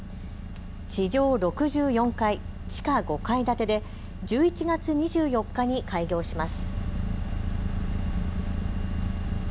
地上６４階、地下５階建てで１１月２４日に開業します。